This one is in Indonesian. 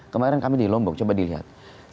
kemarin kami di lombok coba dilihat